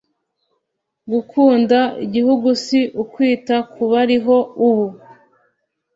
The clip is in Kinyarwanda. Gukunda igihugu si ukwita ku bariho ubu